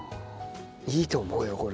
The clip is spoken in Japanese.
いいと思うよこれ。